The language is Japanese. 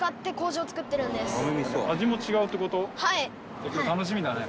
じゃあ今日楽しみだね。